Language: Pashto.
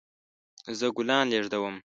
زه ګلان لیږدوم